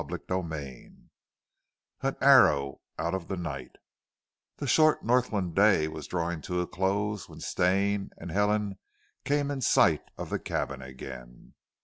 CHAPTER XVI AN ARROW OUT OF THE NIGHT The short Northland day was drawing to a close, when Stane and Helen came in sight of the cabin again.